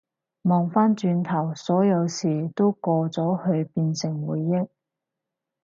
望返轉頭，所有事都過咗去變成回憶